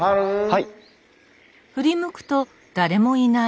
はい！